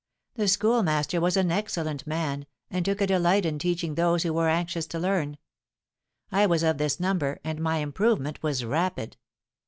The schoolmaster was an excellent man, and took a delight in teaching those who were anxious to learn. I was of this number, and my improvement was rapid.